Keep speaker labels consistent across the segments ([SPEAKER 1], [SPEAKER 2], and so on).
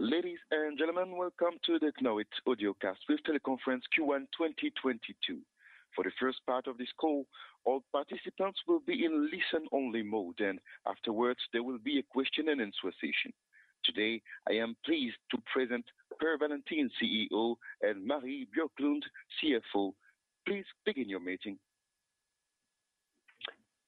[SPEAKER 1] Ladies and gentlemen, welcome to the Knowit audiocast with teleconference Q1 2022. For the first part of this call, all participants will be in listen-only mode, and afterwards there will be a question and answer session. Today, I am pleased to present Per Wallentin, CEO, and Marie Björklund, CFO. Please begin your meeting.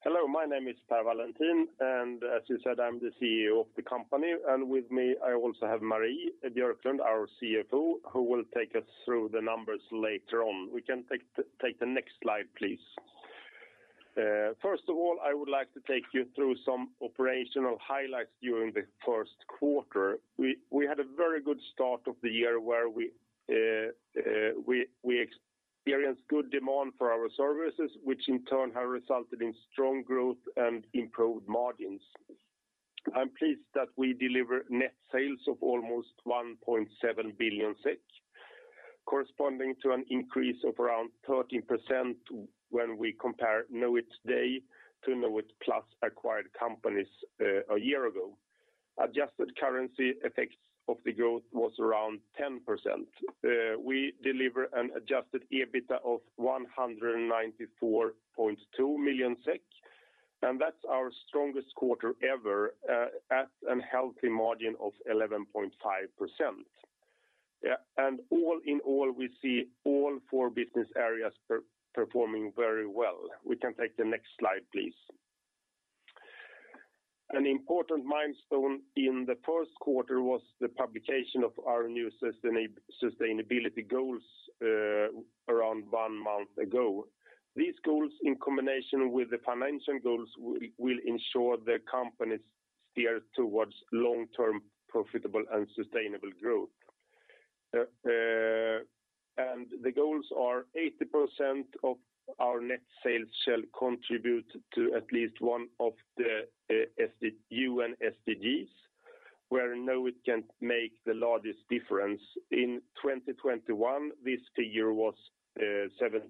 [SPEAKER 2] Hello, my name is Per Wallentin, and as you said, I'm the CEO of the company. With me, I also have Marie Björklund, our CFO, who will take us through the numbers later on. We can take the next slide, please. First of all, I would like to take you through some operational highlights during the first quarter. We had a very good start of the year where we experienced good demand for our services, which in turn have resulted in strong growth and improved margins. I'm pleased that we deliver net sales of almost 1.7 billion SEK, corresponding to an increase of around 13% when we compare Knowit today to Knowit plus acquired companies, a year ago. Adjusted currency effects of the growth was around 10%. We deliver an adjusted EBITDA of 194.2 million SEK, and that's our strongest quarter ever, at a healthy margin of 11.5%. All in all, we see all four business areas performing very well. We can take the next slide, please. An important milestone in the first quarter was the publication of our new sustainability goals around one month ago. These goals, in combination with the financial goals, will ensure the company steers towards long-term profitable and sustainable growth. The goals are 80% of our net sales shall contribute to at least one of the UN SDGs, where Knowit can make the largest difference. In 2021, this figure was 74%.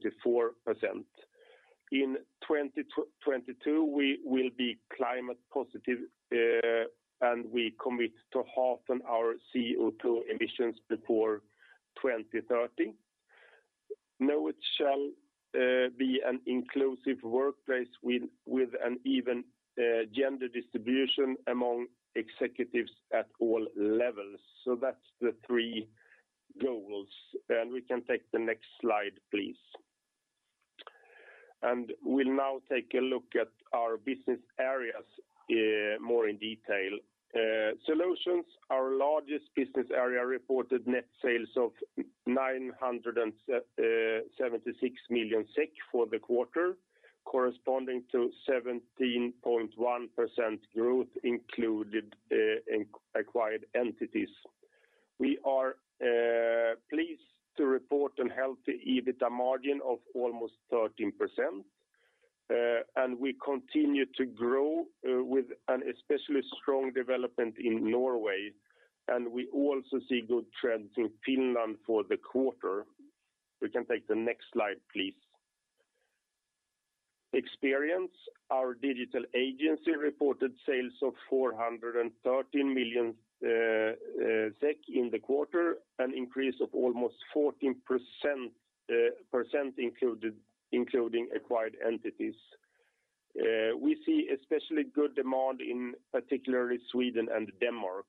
[SPEAKER 2] In 2022, we will be climate positive, and we commit to halve our CO2 emissions before 2030. Knowit shall be an inclusive workplace with an even gender distribution among executives at all levels. That's the three goals. We can take the next slide, please. We'll now take a look at our business areas more in detail. Solutions, our largest business area, reported net sales of 976 million SEK for the quarter, corresponding to 17.1% growth included in acquired entities. We are pleased to report a healthy EBITDA margin of almost 13%, and we continue to grow with an especially strong development in Norway, and we also see good trends in Finland for the quarter. We can take the next slide, please. Experience, our digital agency, reported sales of 413 million in the quarter, an increase of almost 14% including acquired entities. We see especially good demand, particularly in Sweden and Denmark.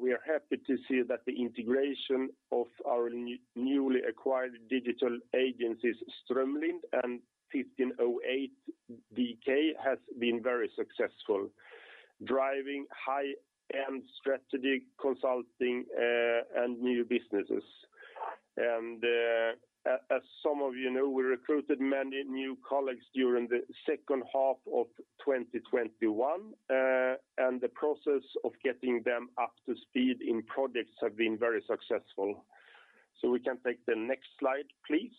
[SPEAKER 2] We are happy to see that the integration of our newly acquired digital agencies, Strømlin and 1508, has been very successful, driving high-end strategy consulting and new businesses. As some of you know, we recruited many new colleagues during the second half of 2021, and the process of getting them up to speed in projects have been very successful. We can take the next slide, please.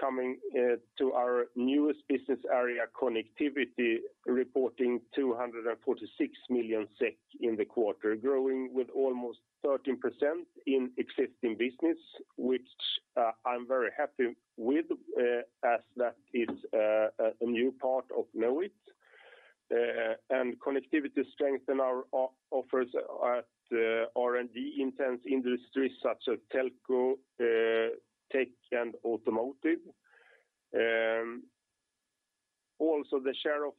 [SPEAKER 2] Coming to our newest business area, Connectivity, reporting 246 million SEK in the quarter, growing with almost 13% in existing business, which I'm very happy with, as that is a new part of Knowit. Connectivity strengthen our offers at R&D-intense industries such as telco, tech, and automotive. Also the share of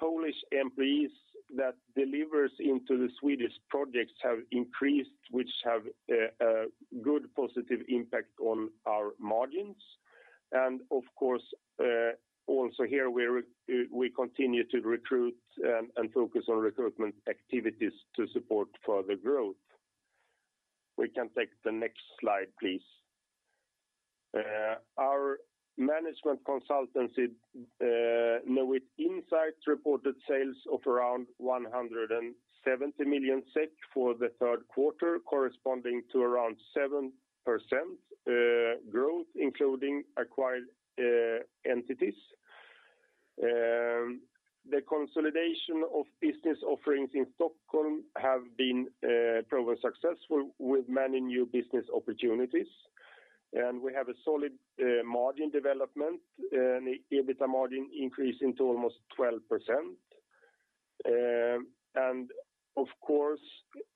[SPEAKER 2] Polish employees that delivers into the Swedish projects have increased, which have a good positive impact on our margins. Of course, also here we continue to recruit and focus on recruitment activities to support further growth. We can take the next slide, please. Our management consultancy, Knowit Insight, reported sales of around 170 million SEK for the third quarter, corresponding to around 7% growth, including acquired entities. The consolidation of business offerings in Stockholm have been proven successful with many new business opportunities. We have a solid margin development and the EBITA margin increasing to almost 12%. Of course,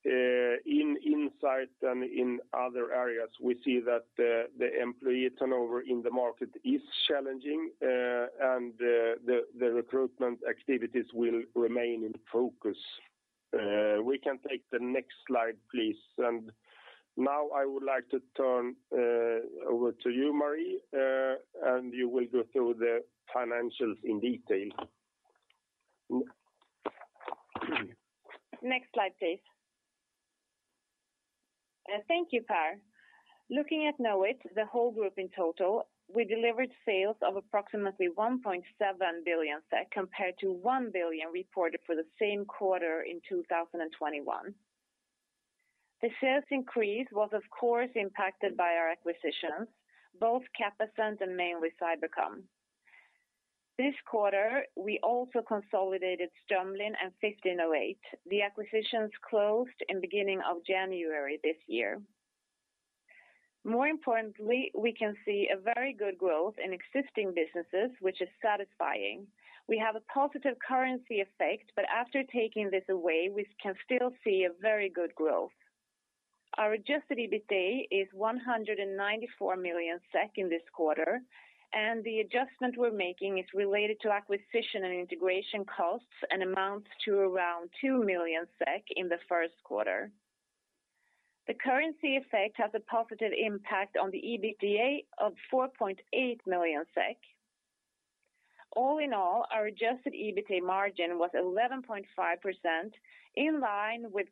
[SPEAKER 2] in Insight and in other areas, we see that the recruitment activities will remain in focus. We can take the next slide, please. Now I would like to turn over to you, Marie, and you will go through the financials in detail.
[SPEAKER 3] Next slide, please. Thank you, Per. Looking at Knowit, the whole group in total, we delivered sales of approximately 1.7 billion SEK compared to 1 billion reported for the same quarter in 2021. The sales increase was of course impacted by our acquisitions, both Capacent and mainly Cybercom. This quarter, we also consolidated Stromlin and 1508. The acquisitions closed in beginning of January this year. More importantly, we can see a very good growth in existing businesses, which is satisfying. We have a positive currency effect, but after taking this away, we can still see a very good growth. Our adjusted EBITA is 194 million SEK in this quarter, and the adjustment we're making is related to acquisition and integration costs and amounts to around 2 million SEK in the first quarter. The currency effect has a positive impact on the EBITDA of 4.8 million SEK. All in all, our adjusted EBITA margin was 11.5% in line with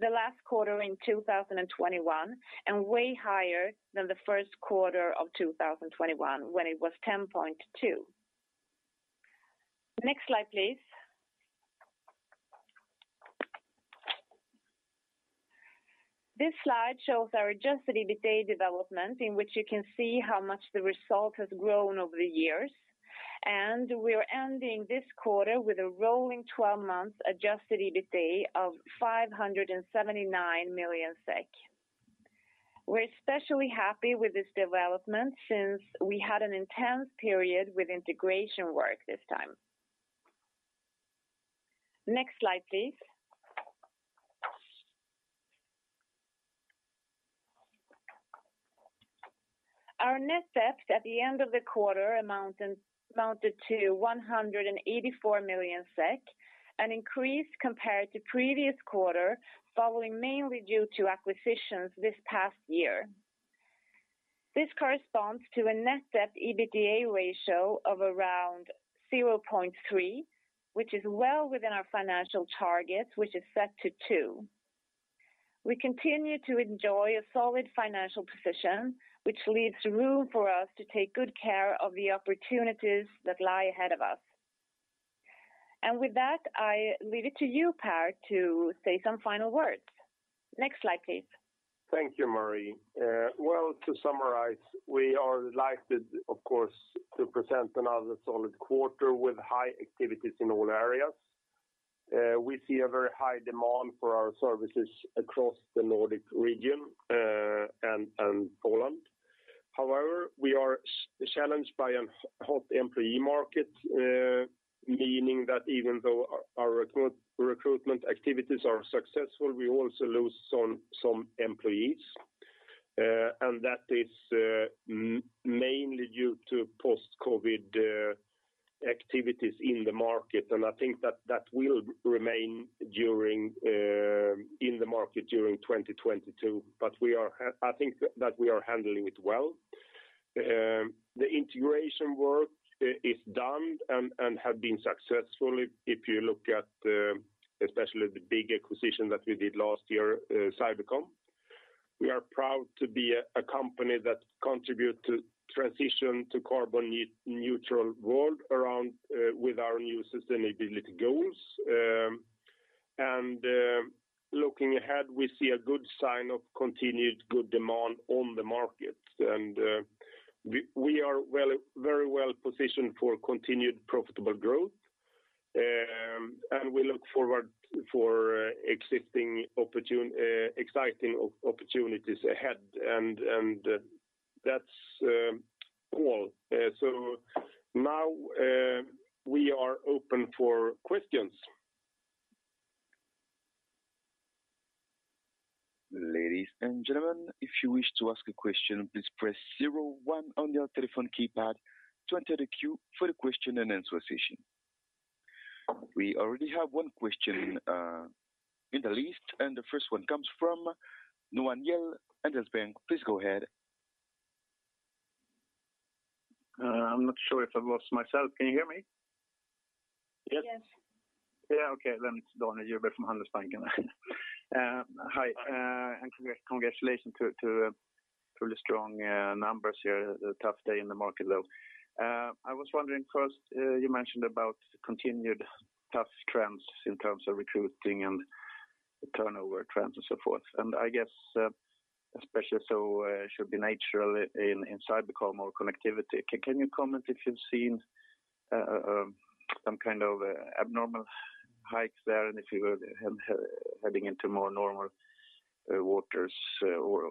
[SPEAKER 3] the last quarter in 2021, and way higher than the first quarter of 2021 when it was 10.2%. Next slide, please. This slide shows our adjusted EBITA development in which you can see how much the result has grown over the years. We are ending this quarter with a rolling 12-month adjusted EBITA of 579 million SEK. We're especially happy with this development since we had an intense period with integration work this time. Next slide, please. Our net debt at the end of the quarter amounted to 184 million SEK, an increase compared to previous quarter, following mainly due to acquisitions this past year. This corresponds to a net debt/EBITDA ratio of around 0.3, which is well within our financial targets, which is set to two. We continue to enjoy a solid financial position, which leaves room for us to take good care of the opportunities that lie ahead of us. With that, I leave it to you, Per, to say some final words. Next slide, please.
[SPEAKER 2] Thank you, Marie. Well, to summarize, we are delighted, of course, to present another solid quarter with high activities in all areas. We see a very high demand for our services across the Nordic region, and Poland. However, we are challenged by a hot employee market, meaning that even though our recruitment activities are successful, we also lose some employees. That is mainly due to post-COVID activities in the market. I think that will remain during 2022. I think that we are handling it well. The integration work is done and have been successful. If you look at especially the big acquisition that we did last year, Cybercom. We are proud to be a company that contribute to transition to carbon neutral world around with our new sustainability goals. Looking ahead, we see a good sign of continued good demand on the market. We are very well positioned for continued profitable growth. We look forward for exciting opportunities ahead. That's all. Now we are open for questions.
[SPEAKER 1] Ladies and gentlemen, if you wish to ask a question, please press zero one on your telephone keypad to enter the queue for the question-and-answer session. We already have one question in the list, and the first one comes from Daniel Djurberg, Handelsbanken Capital Markets. Please go ahead.
[SPEAKER 4] I'm not sure if I lost myself. Can you hear me?
[SPEAKER 3] Yes.
[SPEAKER 4] Yeah. Okay. It's Daniel Djurberg from Handelsbanken. Hi, and congratulations to really strong numbers here. A tough day in the market, though. I was wondering first, you mentioned about continued tough trends in terms of recruiting and turnover trends and so forth. I guess, especially so, should be naturally in Cybercom or Connectivity. Can you comment if you've seen some kind of abnormal hikes there and if you were heading into more normal waters or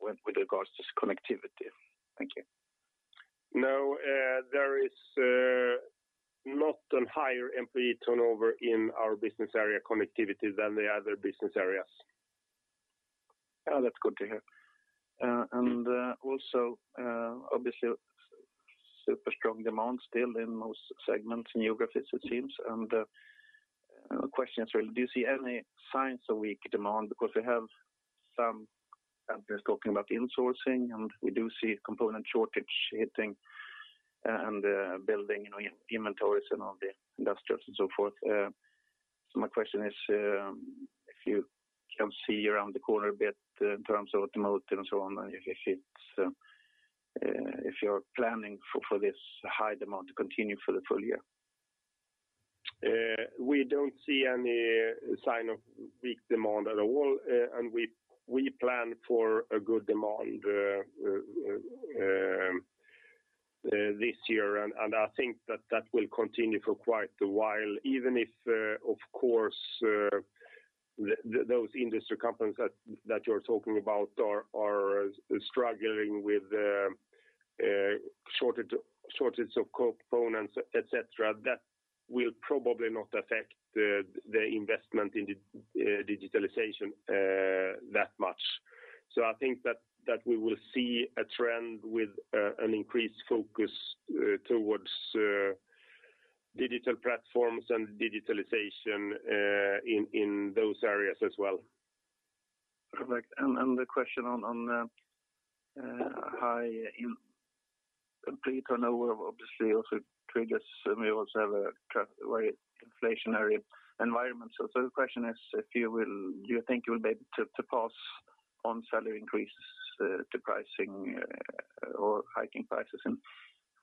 [SPEAKER 4] with regards to Connectivity. Thank you.
[SPEAKER 2] No, there is not a higher employee turnover in our business area Connectivity than the other business areas.
[SPEAKER 4] Oh, that's good to hear. Also, obviously super strong demand still in most segments and geographies it seems. The question is really do you see any signs of weak demand? Because we have some companies talking about insourcing, and we do see component shortage hitting and building, you know, in inventories and all the industrials and so forth. My question is, if you can see around the corner a bit in terms of automotive and so on, if you're planning for this high demand to continue for the full year?
[SPEAKER 2] We don't see any sign of weak demand at all. We plan for a good demand this year. I think that will continue for quite a while, even if, of course, those industry companies that you're talking about are struggling with shortage of components, et cetera, that will probably not affect the investment in digitalization that much. I think that we will see a trend with an increased focus towards digital platforms and digitalization in those areas as well.
[SPEAKER 4] Perfect. The question on high employee turnover obviously also triggers, and we also have a very inflationary environment. The question is, do you think you will be able to pass on salary increases to pricing or hiking prices in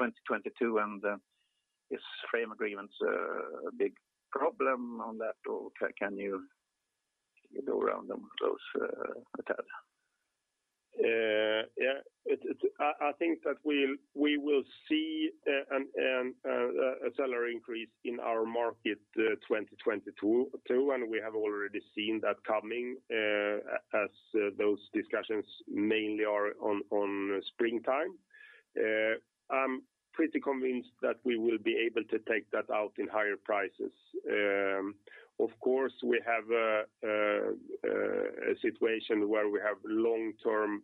[SPEAKER 4] 2022? Is frame agreements a big problem on that, or can you go around them close a tad?
[SPEAKER 2] I think that we will see a salary increase in our market, 2022. We have already seen that coming, as those discussions mainly are in springtime. I'm pretty convinced that we will be able to take that out in higher prices. Of course, we have a situation where we have long-term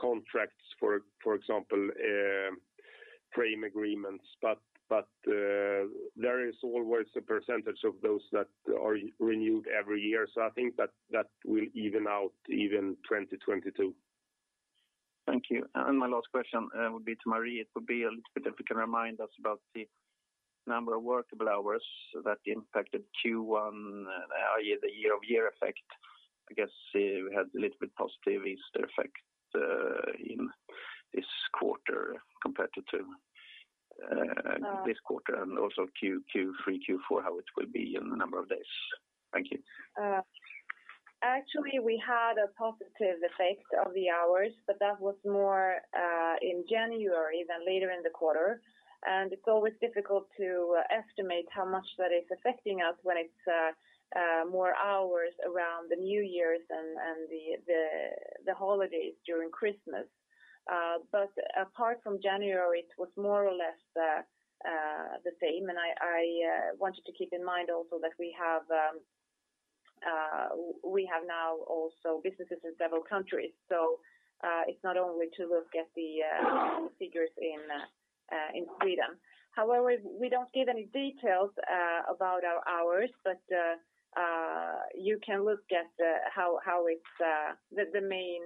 [SPEAKER 2] contracts, for example, frame agreements. There is always a percentage of those that are renewed every year. I think that will even out in 2022.
[SPEAKER 4] Thank you. My last question would be to Marie. It would be a little bit if you can remind us about the number of workable hours that impacted Q1, i.e., the year-over-year effect. I guess we had a little bit positive Easter effect in this quarter compared to this quarter. Also Q3, Q4, how it will be in the number of days. Thank you.
[SPEAKER 3] Actually, we had a positive effect of the hours, but that was more in January than later in the quarter. It's always difficult to estimate how much that is affecting us when it's more hours around the New Year's and the holidays during Christmas. But apart from January, it was more or less the same. I wanted to keep in mind also that we have now also businesses in several countries. It's not only to look at the figures in Sweden. However, we don't give any details about our hours. But you can look at how it's the main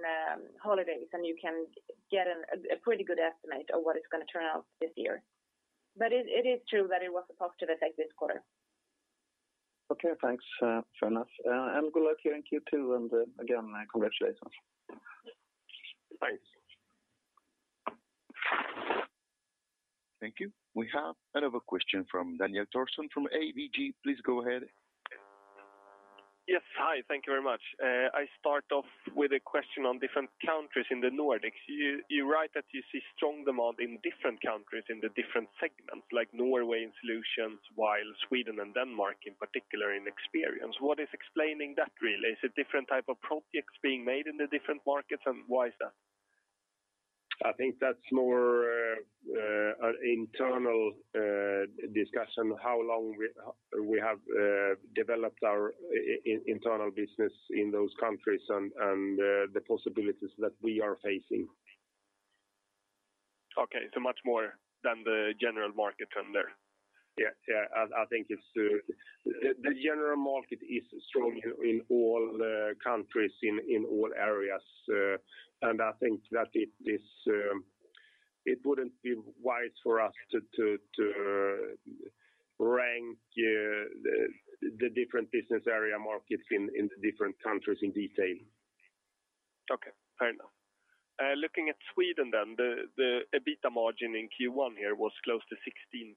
[SPEAKER 3] holidays, and you can get a pretty good estimate of what it's gonna turn out this year. It is true that it was a positive effect this quarter.
[SPEAKER 4] Okay. Thanks, fair enough. Good luck here in Q2. Again, congratulations.
[SPEAKER 2] Thanks.
[SPEAKER 1] Thank you. We have another question from Daniel Thorsson from ABG Sundal Collier. Please go ahead.
[SPEAKER 5] Yes. Hi. Thank you very much. I start off with a question on different countries in the Nordics. You write that you see strong demand in different countries in the different segments, like Norway in Solutions, while Sweden and Denmark in particular in Experience. What is explaining that really? Is it different type of projects being made in the different markets, and why is that?
[SPEAKER 2] I think that's more of an internal discussion, how long we have developed our internal business in those countries and the possibilities that we are facing.
[SPEAKER 5] Okay. Much more than the general market trend there?
[SPEAKER 2] Yeah. I think it's the general market is strong in all countries, in all areas. I think that it wouldn't be wise for us to rank the different business area markets in the different countries in detail.
[SPEAKER 5] Okay. Fair enough. Looking at Sweden then, the EBITDA margin in Q1 here was close to 16%.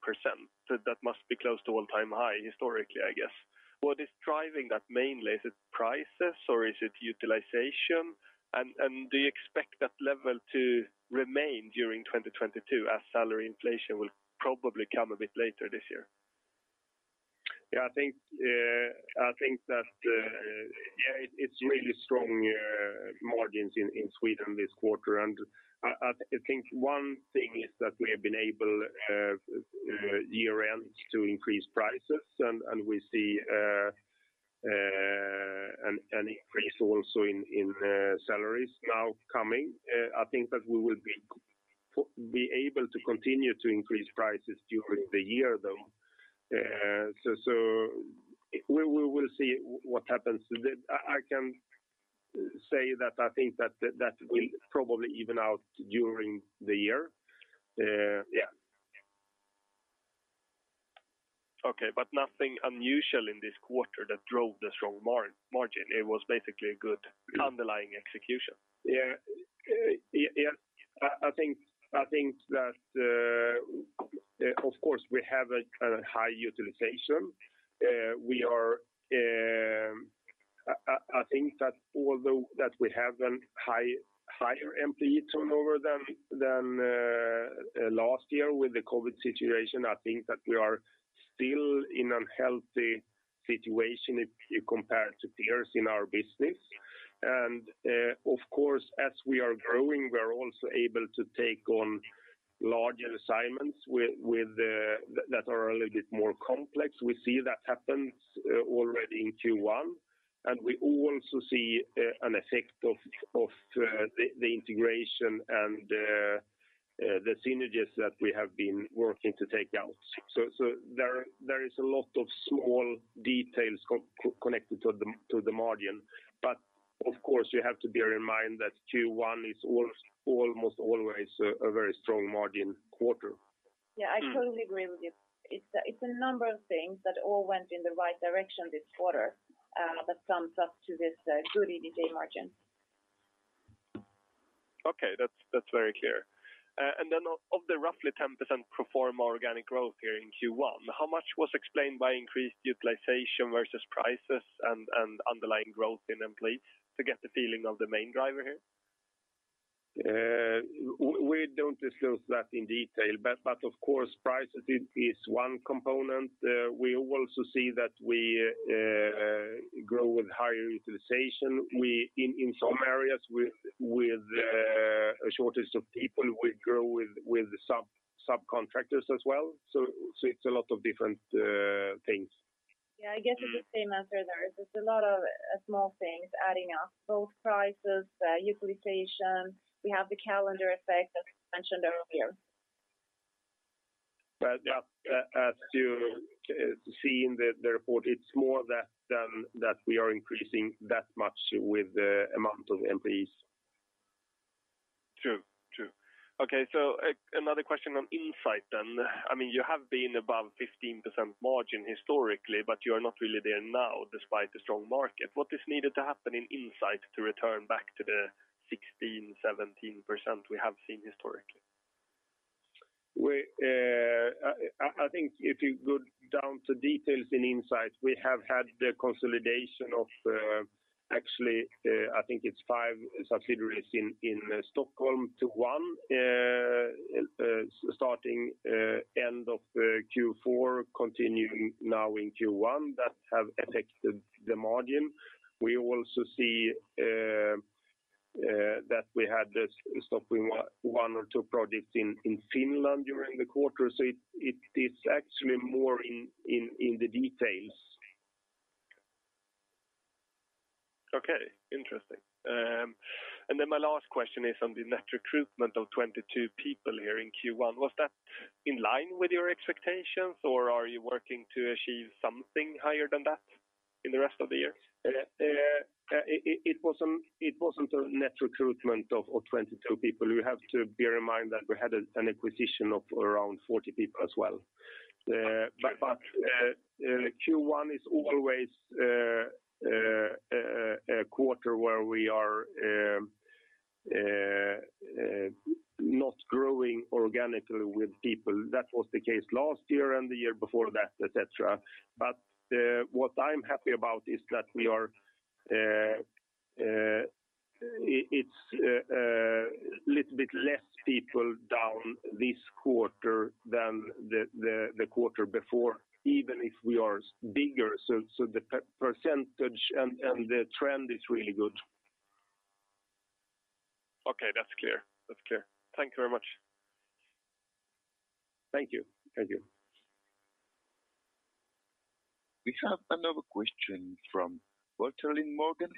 [SPEAKER 5] That must be close to all-time high historically, I guess. What is driving that mainly? Is it prices, or is it utilization? And do you expect that level to remain during 2022 as salary inflation will probably come a bit later this year?
[SPEAKER 2] I think that it's really strong margins in Sweden this quarter. I think one thing is that we have been able at year-end to increase prices and we see an increase also in salaries now coming. I think that we will be able to continue to increase prices during the year though. We will see what happens. I can say that I think that will probably even out during the year.
[SPEAKER 5] Okay. Nothing unusual in this quarter that drove the strong margin. It was basically a good underlying execution.
[SPEAKER 2] Yeah. I think that of course we have a high utilization. I think that although we have a higher employee turnover than last year with the COVID situation, I think that we are still in a healthy situation if you compare to peers in our business. Of course as we are growing, we're also able to take on larger assignments with that are a little bit more complex. We see that happens already in Q1. We also see an effect of the integration and the synergies that we have been working to take out. There is a lot of small details connected to the margin. Of course, you have to bear in mind that Q1 is almost always a very strong margin quarter.
[SPEAKER 3] Yeah, I totally agree with you. It's a number of things that all went in the right direction this quarter that sums up to this good EBITDA margin.
[SPEAKER 5] Okay. That's very clear. And then of the roughly 10% pro forma organic growth here in Q1, how much was explained by increased utilization versus prices and underlying growth in employees to get the feeling of the main driver here?
[SPEAKER 2] We don't disclose that in detail, but of course prices is one component. We also see that we grow with higher utilization. We in some areas with a shortage of people, we grow with subcontractors as well. It's a lot of different things.
[SPEAKER 3] Yeah, I guess it's the same answer there. It's a lot of small things adding up, both prices, utilization. We have the calendar effect that was mentioned earlier.
[SPEAKER 2] Yeah, as you see in the report, it's more that than that we are increasing that much with the amount of employees.
[SPEAKER 5] True. Okay. Another question on Insight then. I mean, you have been above 15% margin historically, but you are not really there now despite the strong market. What is needed to happen in Insight to return back to the 16%-17% we have seen historically?
[SPEAKER 2] I think if you go down to details in Insight, we have had the consolidation of, actually, I think it's five subsidiaries in Stockholm to one, starting end of Q4, continuing now in Q1 that have affected the margin. We also see that we had to stop one or two projects in Finland during the quarter. It's actually more in the details.
[SPEAKER 5] Okay. Interesting. My last question is on the net recruitment of 22 people here in Q1. Was that in line with your expectations, or are you working to achieve something higher than that in the rest of the year?
[SPEAKER 2] It wasn't a net recruitment of 22 people. You have to bear in mind that we had an acquisition of around 40 people as well. Q1 is always a quarter where we are not growing organically with people. That was the case last year and the year before that, et cetera. What I'm happy about is that it's a little bit less people down this quarter than the quarter before, even if we are bigger. The percentage and the trend is really good.
[SPEAKER 5] Okay. That's clear. Thank you very much.
[SPEAKER 2] Thank you. Thank you.
[SPEAKER 1] We have another question from [inaudible]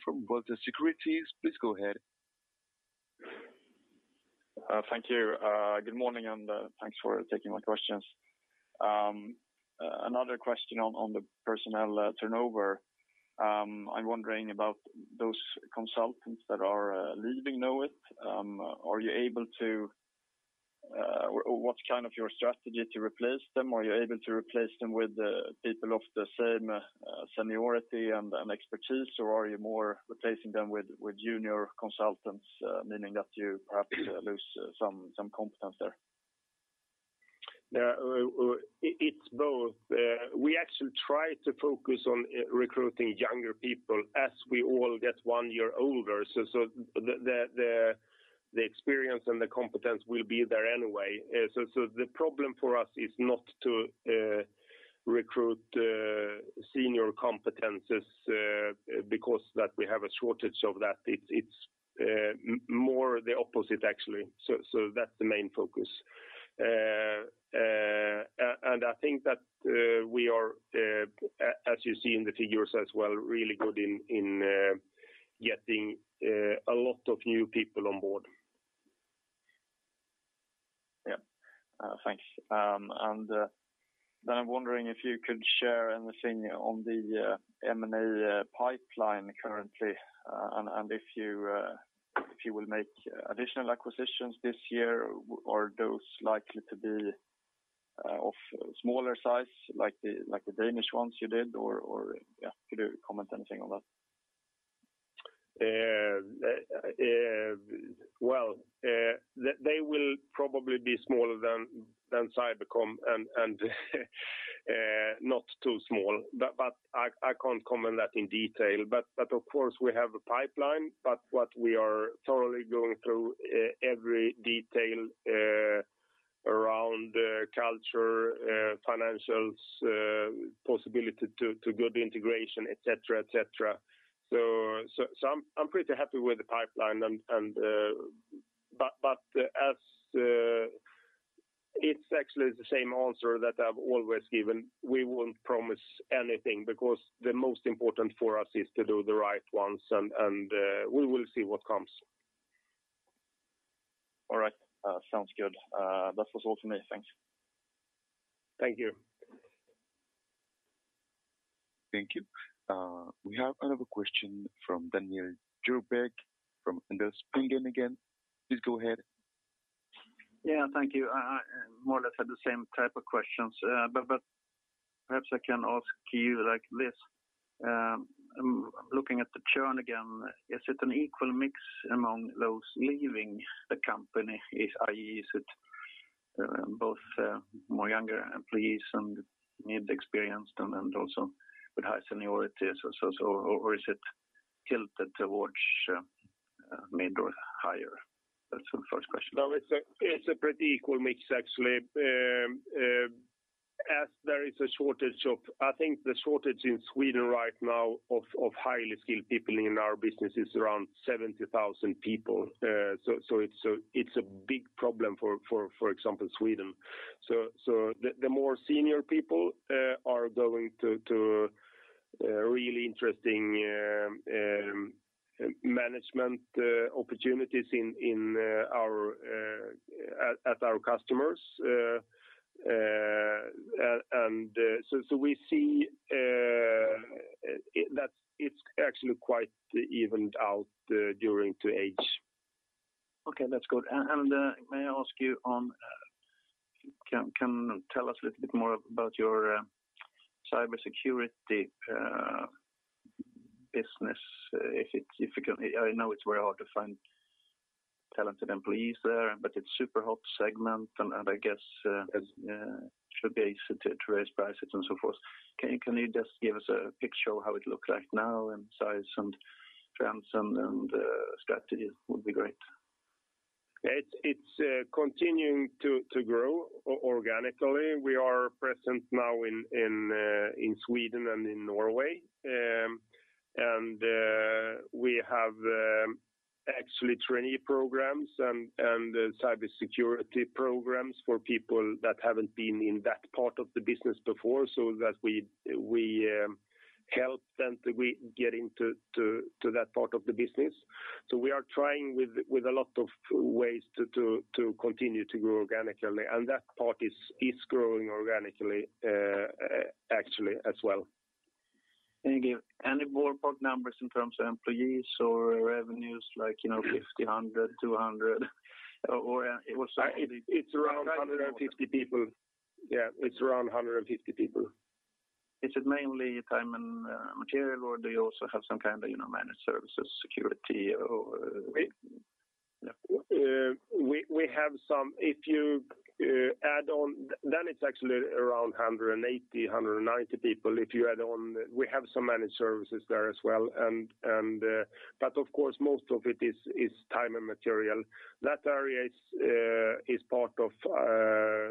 [SPEAKER 1] from Vator Securities. Please go ahead.
[SPEAKER 6] Thank you. Good morning, and thanks for taking my questions. Another question on the personnel turnover. I'm wondering about those consultants that are leaving Knowit. Are you able to, or what's kind of your strategy to replace them? Are you able to replace them with people of the same seniority and expertise, or are you more replacing them with junior consultants, meaning that you perhaps lose some competence there?
[SPEAKER 2] Yeah, it's both. We actually try to focus on recruiting younger people as we all get one year older. The experience and the competence will be there anyway. The problem for us is not to recruit senior competencies, because that we have a shortage of that. It's more the opposite actually. That's the main focus. I think that we are, as you see in the figures as well, really good in getting a lot of new people on board.
[SPEAKER 6] Yeah. Thanks. Then I'm wondering if you could share anything on the M&A pipeline currently, and if you will make additional acquisitions this year, or those likely to be of smaller size like the Danish ones you did, or yeah, could you comment anything on that?
[SPEAKER 2] Well, they will probably be smaller than Cybercom and not too small. I can't comment that in detail. Of course we have a pipeline, but what we are thoroughly going through every detail around culture, financials, possibility to good integration, et cetera. I'm pretty happy with the pipeline and. As. It's actually the same answer that I've always given. We won't promise anything because the most important for us is to do the right ones and we will see what comes.
[SPEAKER 6] All right. Sounds good. That was all for me. Thanks.
[SPEAKER 2] Thank you.
[SPEAKER 1] Thank you. We have another question from Daniel Djurberg from Handelsbanken again. Please go ahead.
[SPEAKER 4] Yeah, thank you. I more or less had the same type of questions. But perhaps I can ask you like this. I'm looking at the churn again. Is it an equal mix among those leaving the company? Is it both more younger employees and mid experienced and also with high seniority? So or is it tilted towards mid or higher? That's my first question.
[SPEAKER 2] No, it's a pretty equal mix actually. I think the shortage in Sweden right now of highly skilled people in our business is around 70,000 people. It's a big problem for example, Sweden. The more senior people are going to really interesting management opportunities at our customers. We see that it's actually quite evened out due to age.
[SPEAKER 4] Okay, that's good. May I ask, can you tell us a little bit more about your cybersecurity business? If you can. I know it's very hard to find talented employees there, but it's super hot segment and I guess it should be easy to raise prices and so forth. Can you just give us a picture of how it looks like now and size and trends and strategies would be great.
[SPEAKER 2] It's continuing to grow organically. We are present now in Sweden and in Norway. We have actually trainee programs and cybersecurity programs for people that haven't been in that part of the business before, so that we help them get into that part of the business. We are trying with a lot of ways to continue to grow organically, and that part is growing organically actually as well.
[SPEAKER 4] Thank you. Any ballpark numbers in terms of employees or revenues like, you know, 50, 100, 200, or it was.
[SPEAKER 2] It's around 150 people. Yeah, it's around 150 people.
[SPEAKER 4] Is it mainly time and material or do you also have some kind of, you know, managed services security or yeah?
[SPEAKER 2] We have some. If you add on, it's actually around 180-190 people. If you add on, we have some managed services there as well and. Of course, most of it is time and materials. That area is part of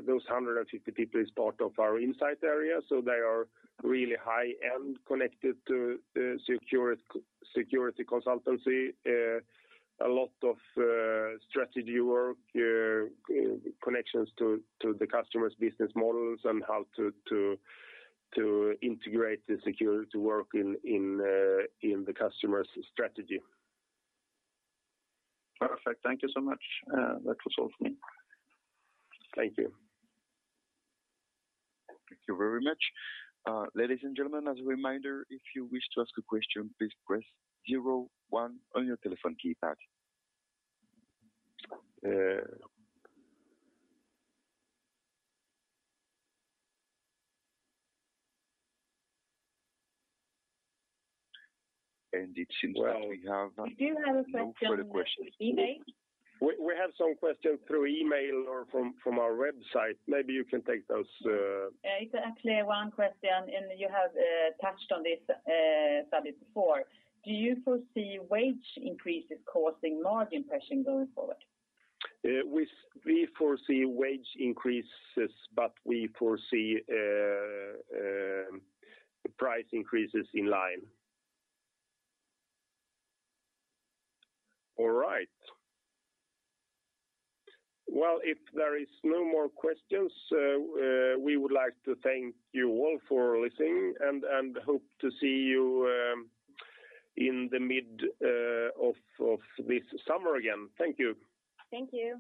[SPEAKER 2] those 150 people is part of our Insight area, so they are really high-end connected to security consultancy. A lot of strategy work, connections to the customer's business models and how to integrate the security work in the customer's strategy.
[SPEAKER 4] Perfect. Thank you so much. That was all for me.
[SPEAKER 2] Thank you.
[SPEAKER 1] Thank you very much. Ladies and gentlemen, as a reminder, if you wish to ask a question, please press zero-one on your telephone keypad. We do have a question email. No further questions.
[SPEAKER 2] We have some questions through email or from our website. Maybe you can take those.
[SPEAKER 1] Yeah, it's actually one question, and you have touched on this study before. Do you foresee wage increases causing margin pressure going forward?
[SPEAKER 2] We foresee wage increases, but we foresee price increases in line. All right. Well, if there is no more questions, we would like to thank you all for listening and hope to see you in the mid of this summer again. Thank you.
[SPEAKER 1] Thank you.